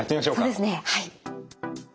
そうですねはい。